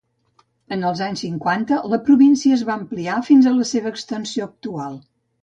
En els anys cinquanta, la província es va ampliar fins a la seva extensió actual.